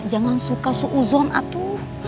jangan suka seuzon atuh